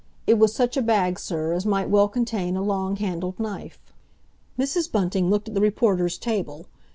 It was such a bag, sir, as might well contain a long handled knife." Mrs. Bunting looked at the reporters' table.